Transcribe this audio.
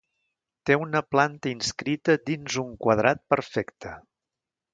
Té una planta inscrita dins un quadrat perfecte.